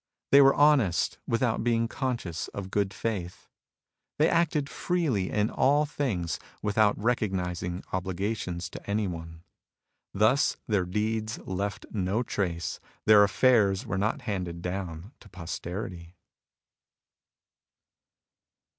They were honest without being conscious of good faith. They acted freely in all things without recognising obligations to any one. ^us their deeds left no trace ; their affairs were not handed down to posterity.